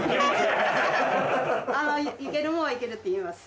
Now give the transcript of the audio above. いけるもんはいけるって言います。